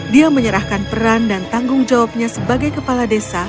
dia menyerahkan peran dan tanggung jawabnya sebagai kepala desa